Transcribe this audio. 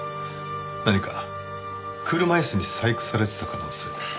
何か車椅子に細工されてた可能性。